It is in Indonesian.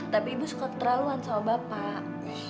tapi ibu suka keterlaluan sama bapak